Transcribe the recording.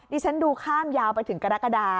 ดิฉันดูข้ามยาวไปถึงกรกฎา